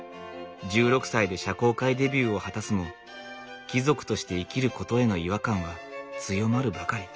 １６歳で社交界デビューを果たすも貴族として生きることへの違和感は強まるばかり。